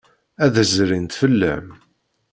Ad d-zrint fell-am.